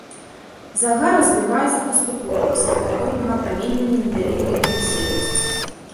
Загар развіваецца паступова пасля паўторнага апраменьвання невялікай інтэнсіўнасці.